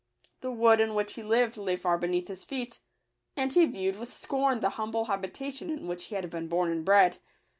The wood in which he lived lay far beneath his feet, and he viewed with scorn the humble habitation in which he had been born and bred.